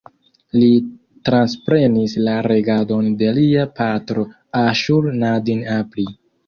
Li transprenis la regadon de lia patro Aŝur-nadin-apli.